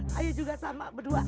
saya juga sama berdua